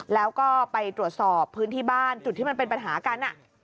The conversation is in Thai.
แล้วก็ไปตรวจสอบพื้นที่บ้านจุดที่มันเป็นปัญหากัน